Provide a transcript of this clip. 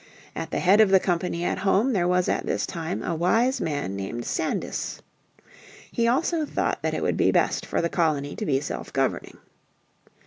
At the head of the company at home there was at this time a wise man named Sandys. He also thought that it would be best for the colony to be self governing.